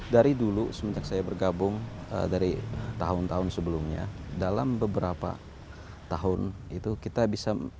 dari dulu semenjak saya bergabung dari tahun tahun sebelumnya dalam beberapa tahun itu kita bisa